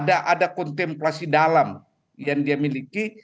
ada kontemplasi dalam yang dia miliki